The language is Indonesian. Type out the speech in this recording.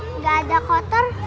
nggak ada kotor